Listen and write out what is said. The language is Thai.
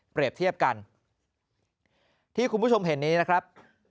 เทียบกันที่คุณผู้ชมเห็นนี้นะครับ